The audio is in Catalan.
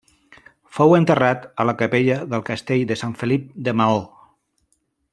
Fou enterrat a la capella del castell de Sant Felip de Maó.